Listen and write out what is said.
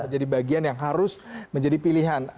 jadi bagian yang harus menjadi pilihan